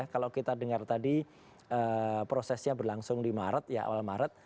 kalau kita dengar tadi prosesnya berlangsung di maret ya awal maret